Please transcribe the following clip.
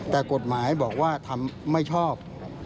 แต่กฎหมายบอกว่าทำไม่ชอบ